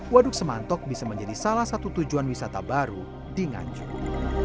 waduk semantok bisa menjadi salah satu tujuan wisata baru di nganjuk